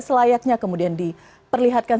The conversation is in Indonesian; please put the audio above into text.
selayaknya kemudian diperlihatkan